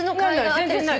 全然ない。